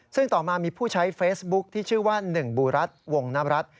ซึ่งต่อมามีผู้ใช้เฟซบุ๊คที่ชื่อว่าหนึ่งบูรัสวงนรัฐ